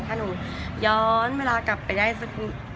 ถ้าหนูย้อนเวลากลับไปได้สัก